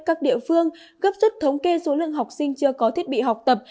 các địa phương gấp rút thống kê số lượng học sinh chưa có thiết bị học tập